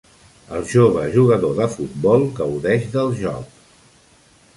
El jove jugador de futbol gaudeix del joc.